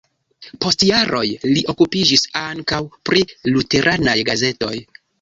Post jaroj li okupiĝis ankaŭ pri luteranaj gazetoj.